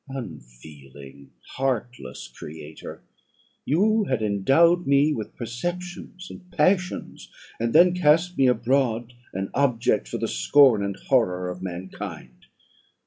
Unfeeling, heartless creator! you had endowed me with perceptions and passions, and then cast me abroad an object for the scorn and horror of mankind.